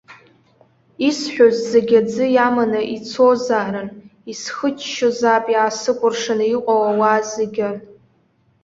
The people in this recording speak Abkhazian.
Исҳәоз зегьы аӡы иаманы ицозаарын, исхыччозаап иаасыкәыршаны иҟоу ауаа зегьы.